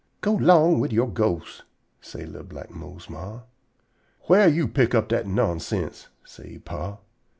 "Go 'long wid your ghosts!" say li'l black Mose's ma. "Wha' yo' pick up dat nonsense?" say he pa.